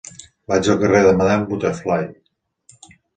Vaig al carrer de Madame Butterfly.